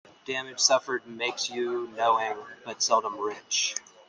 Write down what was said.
Damage suffered makes you knowing, but seldom rich.